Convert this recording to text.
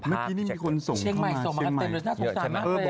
เมื่อกี้นี่มีคนส่งเข้ามาเชียงใหม่